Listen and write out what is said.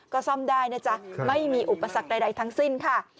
ก็ซ่อมได้นะจ๊ะไม่มีอุปสรรคใดทั้งสิ้นค่ะ